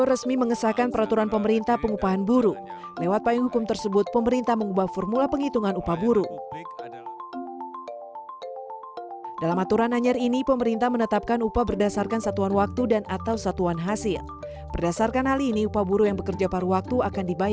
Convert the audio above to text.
assalamualaikum wr wb